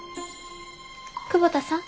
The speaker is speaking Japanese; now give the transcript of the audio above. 久保田さん。